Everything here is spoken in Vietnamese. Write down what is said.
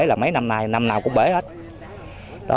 là mấy năm nay năm nào cũng bể hết